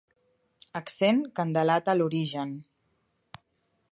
Accent que en delata l'origen.